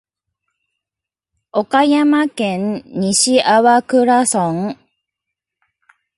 岡山県西粟倉村